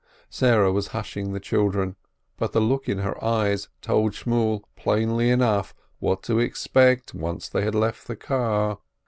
Sarah was hushing the children, but the look in her eyes told Shmuel plainly enough what to expect once they had left the car.